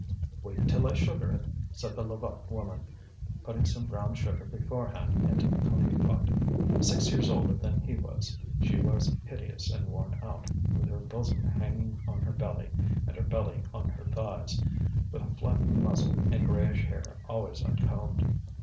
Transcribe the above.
"Wait till I sugar it," said the Levaque woman, putting some brown sugar beforehand into the coffee pot. Six years older than he was, she was hideous and worn out, with her bosom hanging on her belly, and her belly on her thighs, with a flattened muzzle, and greyish hair always uncombed.